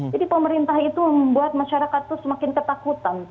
jadi pemerintah itu membuat masyarakat itu semakin ketakutan